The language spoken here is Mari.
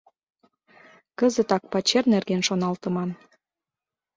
— Кызытак пачер нерген шоналтыман.